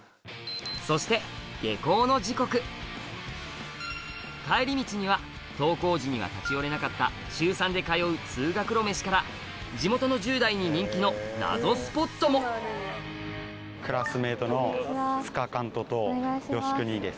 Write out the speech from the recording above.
そして帰り道には登校時には立ち寄れなかった週３で通う通学路メシから地元の１０代に人気の謎スポットもクラスメートです。